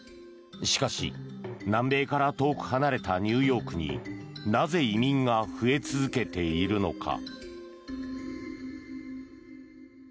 しかし南米から遠く離れたニューヨークになぜ移民が増え続けているのか。